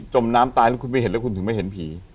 มน้ำตายแล้วคุณไม่เห็นแล้วคุณถึงไม่เห็นผี